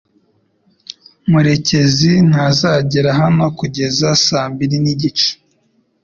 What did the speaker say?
murekezi ntazagera hano kugeza saa mbiri n'igice